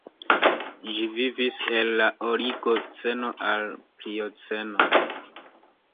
Ĝi vivis el la Oligoceno al la Plioceno.